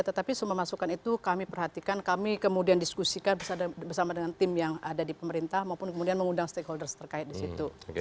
tetapi semua masukan itu kami perhatikan kami kemudian diskusikan bersama dengan tim yang ada di pemerintah maupun kemudian mengundang stakeholders terkait di situ